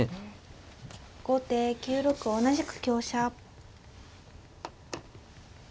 後手９六同じく香車。